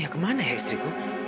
kemana ya istriku